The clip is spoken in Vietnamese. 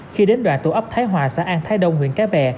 khi đến đoạn tổ ấp thái hòa xã an thái đông huyện cái bè